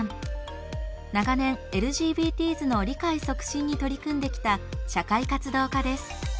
長年ＬＧＢＴｓの理解促進に取り組んできた社会活動家です。